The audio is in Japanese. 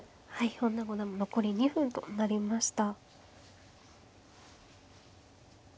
本田五段も残り２分となりました。